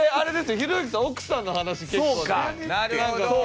ひろゆきさん奥さんの話結構ねピリつくから。